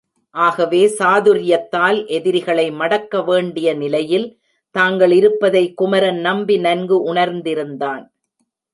ஆகவே சாதுர்யத்தால் எதிரிகளை மடக்க வேண்டிய நிலையில் தாங்கள் இருப்பதை குமரன் நம்பி நன்கு உணர்ந்திருந்தான்.